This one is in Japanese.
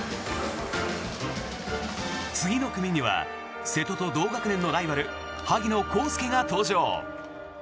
次の組には瀬戸と同学年のライバル萩野公介が登場。